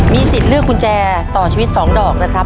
สิทธิ์เลือกกุญแจต่อชีวิต๒ดอกนะครับ